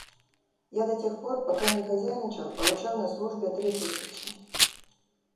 Я до тех пор, пока не хозяйничал, получал на службе три тысячи.